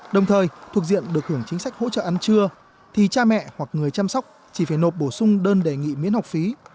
đồng thời thuộc diện được hưởng chính sách hỗ trợ ăn trưa thì cha mẹ hoặc người chăm sóc chỉ phải nộp bổ sung đơn đề nghị miễn học phí